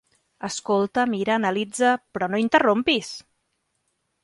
Escolta, mira, analitza... Però no interrompis!